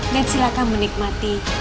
dan silahkan menikmati